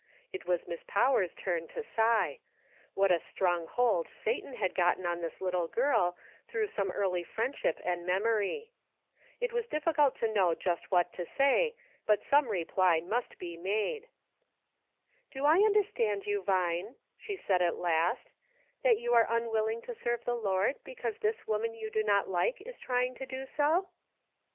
It was Miss Powers' turn to sigh ; what a strong hold Satan had gotten on this little girl, through some early friendship and memory. It was difficult to know just what to say, but some reply must be made. "Do I understand you, Vine," she said at last, " that you are unwilling to serve the Lord because this woman you do not like is trying to do so